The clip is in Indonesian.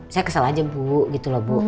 saya kesal aja bu gitu loh bu